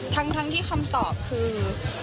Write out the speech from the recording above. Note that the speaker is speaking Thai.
ทั้งที่คำตอบคือ